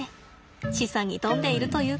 示唆に富んでいるというか。